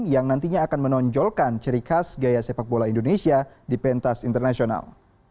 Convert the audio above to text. yang nantinya akan menonjolkan ciri khas gaya sepak bola indonesia di pentas internasional